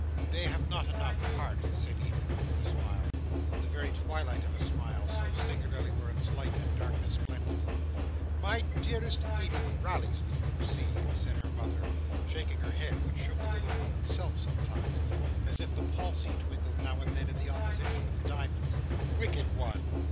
"They have not enough heart," said Edith, with a smile. The very twilight of a smile: so singularly were its light and darkness blended. "My dearest Edith rallies me, you see!" said her mother, shaking her head: which shook a little of itself sometimes, as if the palsy twinkled now and then in opposition to the diamonds. "Wicked one!"